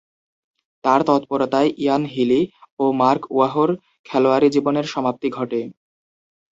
তার তৎপরতায় Ian Healy ও মার্ক ওয়াহ’র খেলোয়াড়ী জীবনের সমাপ্তি ঘটে।